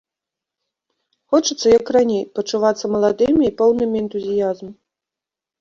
Хочацца, як раней, пачувацца маладымі і поўнымі энтузіязму.